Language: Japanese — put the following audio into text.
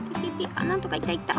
あっなんとかいったいった。